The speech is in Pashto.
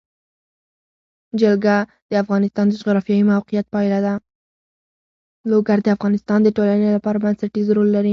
لوگر د افغانستان د ټولنې لپاره بنسټيز رول لري.